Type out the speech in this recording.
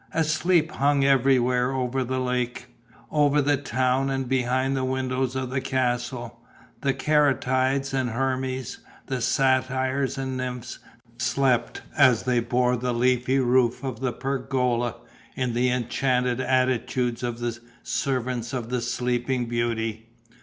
And sleep hung everywhere, over the lake, over the town and behind the windows of the castle; the caryatides and hermes the satyrs and nymphs slept, as they bore the leafy roof of the pergola, in the enchanted attitudes of the servants of the Sleeping Beauty.